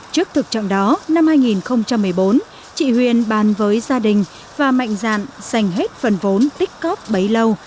trước thực trạng đó năm hai nghìn một mươi bốn chị huyền bàn với gia đình và mạnh dạn dành hết phần vốn tích cóp bấy lâu